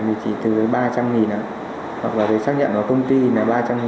thì chỉ từ ba trăm linh hoặc là giấy xác nhận của công ty là ba trăm linh